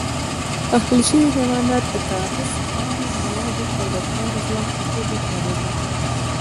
اهلي شوي حیوانات د غذا، خامو موادو او د کار ځواک په توګه کارېدل.